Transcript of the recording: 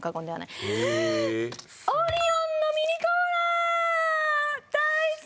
オリオンのミニコーラ！